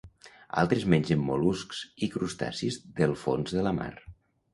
Altres mengen mol·luscs i crustacis del fons de la mar.